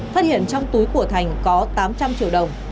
phát hiện trong túi của thành có tám trăm linh triệu đồng